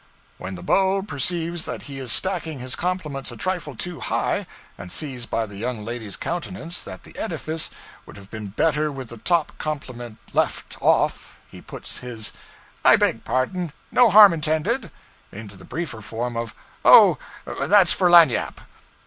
When the beau perceives that he is stacking his compliments a trifle too high, and sees by the young lady's countenance that the edifice would have been better with the top compliment left off, he puts his 'I beg pardon no harm intended,' into the briefer form of 'Oh, that's for lagniappe.'